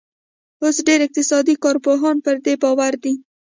اوس ډېر اقتصادي کارپوهان پر دې باور دي.